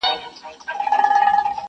په فریاد یې وو پر ځان کفن څیرلی.!